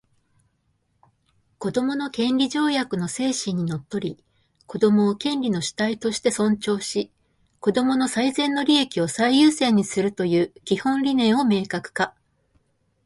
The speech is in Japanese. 「子どもの権利条約」の精神にのっとり、子供を権利の主体として尊重し、子供の最善の利益を最優先にするという基本理念を明確化